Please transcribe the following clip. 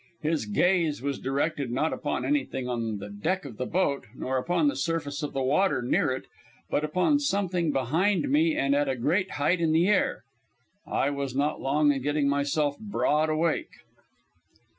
His gaze was directed not upon anything on the deck of the boat, nor upon the surface of the water near it, but upon something behind me and at a great height in the air. I was not long in getting myself broad awake.